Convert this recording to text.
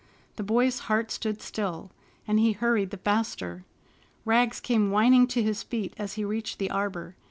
The boy's heart stood still, and he hurried the faster. Rags came whining to his feet as he reached the arbor.